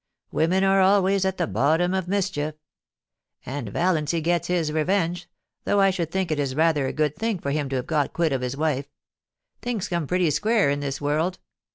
Women are always at the bottom of mischief. And Valiancy gets his revenge, though I should think it is rather a good thing for him to have got quit of his wife. .. Things come pretty square in this world.